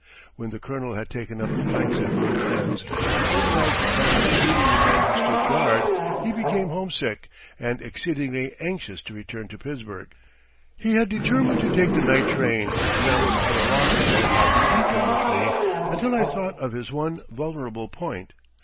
When the Colonel had taken up the planks at both ends, and organized a plan of relieving the men who stood guard, he became homesick and exceedingly anxious to return to Pittsburgh. He had determined to take the night train and I was at a loss to know how to keep him with me until I thought of his one vulnerable point.